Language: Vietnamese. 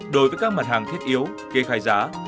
đối với các mặt hàng thiết yếu kê khai giá